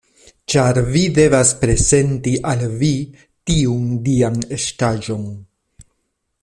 Ĉar vi devas prezenti al vi tiun dian estaĵon!